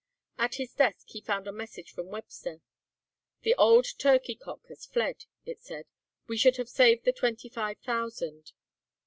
At his desk he found a message from Webster. "The old turkey cock has fled," it said; "we should have saved the twenty five thousand."